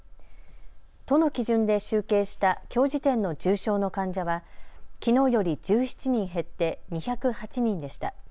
都の基準で集計したきょう時点の重症の患者はきのうより１７人減って２０８人でした。